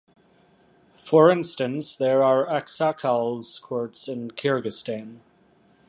For instance, there are "aksakals" courts in Kyrgyzstan.